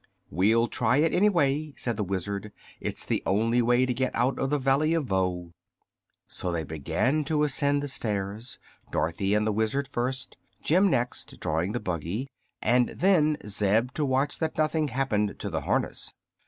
"We'll try it, anyway," said the Wizard. "It's the only way to get out of the Valley of Voe." So they began to ascend the stairs, Dorothy and the Wizard first, Jim next, drawing the buggy, and then Zeb to watch that nothing happened to the harness.